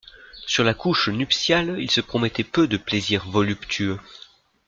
Sur la couche nuptiale, il se promettait peu de plaisir voluptueux.